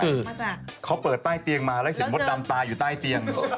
คือเขาเปิดใต้เตียงมาแล้วเห็นมดดำตายอยู่ใต้เตียง